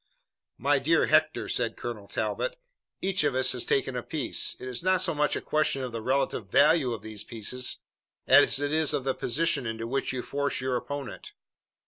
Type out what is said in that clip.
"My dear Hector," said Colonel Talbot, "each of us has taken a piece. It is not so much a question of the relative value of these pieces as it is of the position into which you force your opponent."